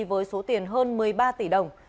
với số tiền hơn một mươi ba tỷ đồng